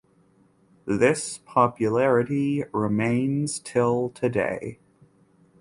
This popularity remains till today.